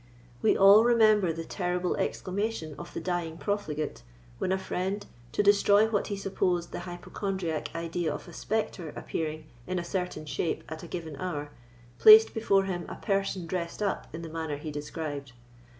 We all remember the terrible exclamation of the dying profligate, when a friend, to destroy what he supposed the hypochondriac idea of a spectre appearing in a certain shape at a given hour, placed before him a person dressed up in the manner he described.